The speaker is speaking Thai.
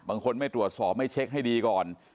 ไม่ตรวจสอบไม่เช็คให้ดีก่อน